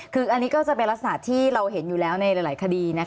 คืออันนี้ก็จะเป็นลักษณะที่เราเห็นอยู่แล้วในหลายคดี